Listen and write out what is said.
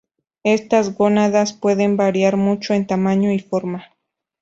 Estas gónadas pueden variar mucho en tamaño y forma.